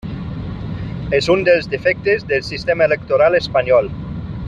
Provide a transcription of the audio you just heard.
És un dels defectes del sistema electoral espanyol.